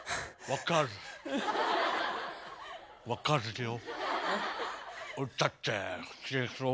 分かるよ。